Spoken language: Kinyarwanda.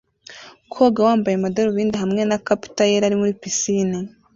Koga wambaye amadarubindi hamwe na capita yera ari muri pisine